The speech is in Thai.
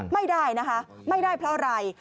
ไม่ได้นะคะไม่ได้เพราะอะไร